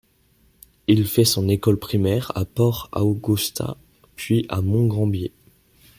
Il fait son école primaire à Port Augusta puis à Mont Gambier.